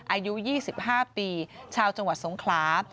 อายุ๒๕ปีชาวจังหวัดสงขลา